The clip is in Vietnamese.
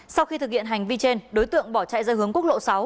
sau khi thực hiện hành vi trên đối tượng bỏ chạy ra hướng quốc lộ sáu